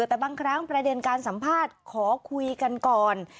แต่บางครั้งประเด็นการสัมภาษณ์ขอคุยกันก่อน